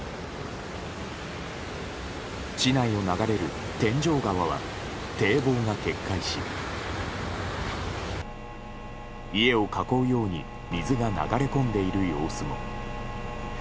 市内を流れる天井川は堤防が決壊し家を囲うように水が流れ込んでいる様子も。